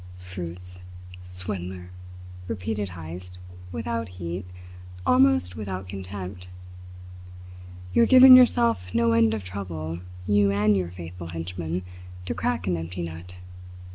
"Fruits! Swindler!" repeated Heyst, without heat, almost without contempt. "You are giving yourself no end of trouble, you and your faithful henchman, to crack an empty nut.